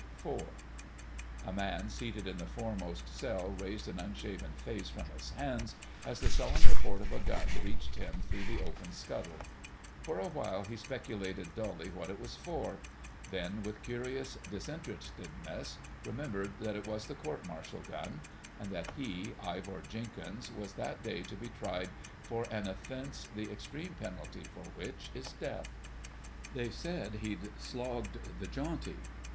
*IV.* A man seated in the foremost cell raised an unshaven face from his hands as the sullen report of a gun reached him through the open scuttle. For a while he speculated dully what it was for; then with curious disinterestedness remembered that it was the court martial gun, and that he, Ivor Jenkins, was that day to be tried for an offence the extreme penalty for which is Death. They said he'd slogged the Jauntie.